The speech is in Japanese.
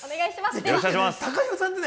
よろしくお願いします。